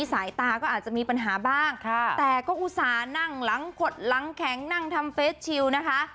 สายตาก็อาจจะมีปัญหาบ้างแต่ก็อุตส่าห์นั่งหลังขดหลังแข็งนั่งทำเฟสชิลนะคะ